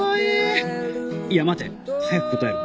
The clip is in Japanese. いや待て。早く答えろ